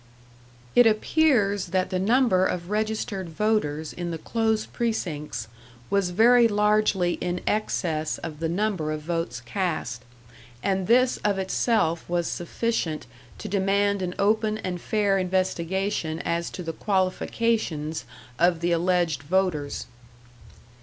"It appears that the number of registered voters in the closed precincts was very largely in excess of the number of votes cast, and this of itself was sufficient to demand an open and fair investigation as to the qualifications of the alleged voters.